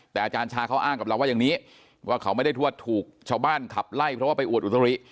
แต่อาจารย์ชาเขาอ้างกับเราว่าอย่างนี้ว่าเขาไม่ได้ทวดถูกชาวบ้านขับไล่เพราะว่าไปอวดอุตริ